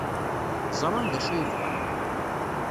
Ẓran d acu ay bɣan.